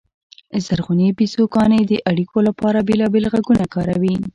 زرغونې بیزوګانې د اړیکو لپاره بېلابېل غږونه کاروي.